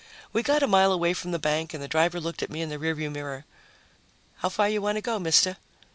We got a mile away from the bank and the driver looked at me in the rear view mirror. "How far you want to go, mister?"